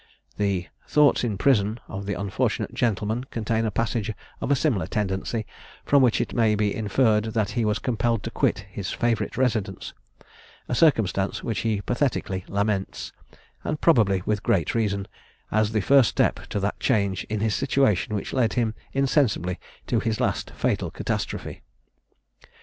The "Thoughts in Prison" of the unfortunate gentleman contain a passage of a similar tendency, from which it may be inferred that he was compelled to quit this his favourite residence; a circumstance which he pathetically laments, and probably with great reason, as the first step to that change in his situation which led him insensibly to his last fatal catastrophe.